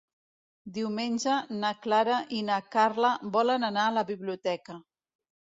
Diumenge na Clara i na Carla volen anar a la biblioteca.